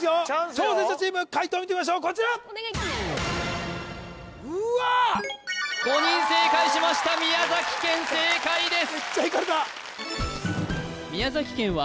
挑戦者チーム解答を見てみましょうこちら５人正解しました宮崎県正解です